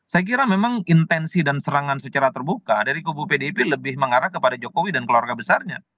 saya kira memang intensi dan serangan secara terbuka dari kubu pdip lebih mengarah kepada jokowi dan keluarga besarnya